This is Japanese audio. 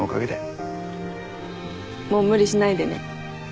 もう無理しないでね。